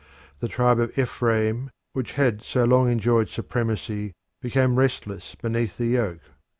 The tribe of Ephraim, which had so long enjoyed supremacy, became restless beneath the yoke.